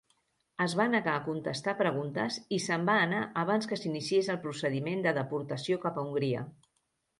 Es va negar a contestar preguntes i se'n va anar abans que s'iniciés el procediment de deportació cap a Hongria.